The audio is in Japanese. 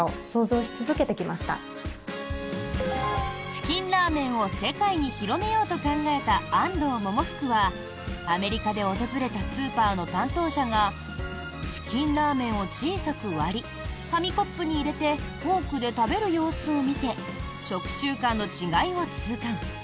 チキンラーメンを世界に広めようと考えた安藤百福はアメリカで訪れたスーパーの担当者がチキンラーメンを小さく割り紙コップに入れてフォークで食べる様子を見て食習慣の違いを痛感。